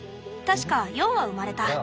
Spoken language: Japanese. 確か４羽生まれた。